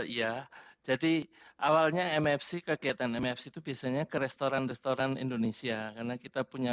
iya jadi awalnya mfc kegiatan mfc itu biasanya ke restoran restoran indonesia karena kita punya